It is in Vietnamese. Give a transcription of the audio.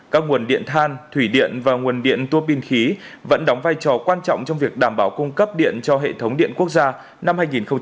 các nguồn điện than thủy điện và nguồn điện tuô pin khí vẫn đóng vai trò quan trọng trong việc đảm bảo cung cấp điện cho hệ thống điện quốc gia năm hai nghìn hai mươi bốn